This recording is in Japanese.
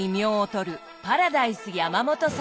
パラダイス山元さん。